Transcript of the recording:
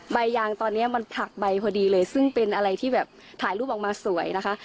ใบยางตอนนี้มันผลักใบพอดีเลยซึ่งเป็นอะไรที่แบบถ่ายรูปออกมาสวยนะคะ